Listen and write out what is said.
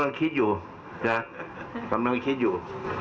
ไม่รู้ผมไม่รู้